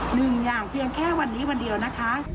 หนึ่งอย่างเพียงแค่วันนี้วันเดียวนะคะ